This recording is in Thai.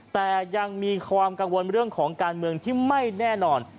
แต่ยังมีความกังวลเรื่องของการเมืองที่ไม่แน่นอน